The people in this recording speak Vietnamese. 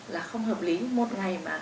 là không hợp lý